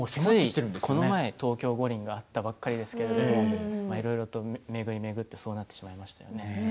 この間、東京五輪があったばかりですけれどもいろいろ巡り巡ってそうなってしまいましたね。